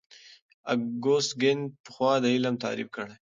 اګوست کُنت پخوا دا علم تعریف کړ.